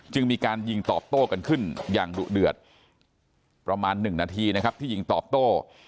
มีการยิงตอบโต้กันขึ้นอย่างดุเดือดประมาณ๑นาทีนะครับที่ยิงตอบโต้